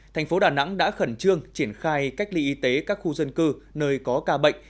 thành phố đà nẵng đã khẩn trương triển khai cách ly y tế các khu dân cư nơi có ca bệnh